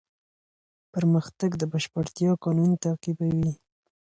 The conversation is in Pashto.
پرمختګ د بشپړتیا قانون تعقیبوي.